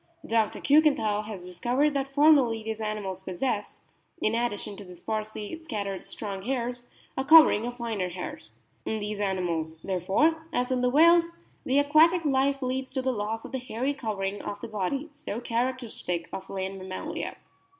Dr. Kiikenthal has discovered that formerly these animals possessed, in addition to the sparsely scattered strong hairs, a covering of finer hairs. In these animals, therefore, as in the whales, the aquatic life leads to the loss of the hairy covering of the body, so characteristic of land mammalia.